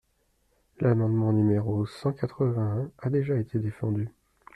L’amendement n° cent quatre-vingt-un a déjà été défendu.